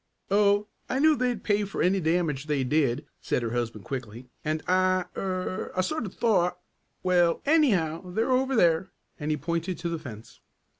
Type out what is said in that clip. "Oh, I knew they'd pay for any damage they did," said her husband quickly, "and I er I sort of thought well, anyhow they're over there," and he pointed to the fence.